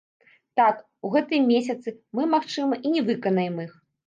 Так, у гэтым месяцы мы, магчыма, і не выканаем іх.